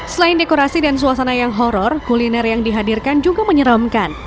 selain dekorasi dan suasana yang horror kuliner yang dihadirkan juga menyeramkan